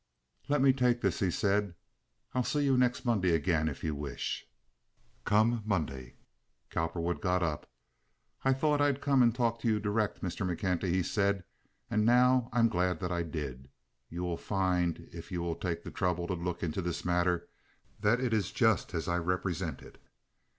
"Let me take this," he said. "I'll see you next Monday again if you wish. Come Monday." Cowperwood got up. "I thought I'd come and talk to you direct, Mr. McKenty," he said, "and now I'm glad that I did. You will find, if you will take the trouble to look into this matter, that it is just as I represent it.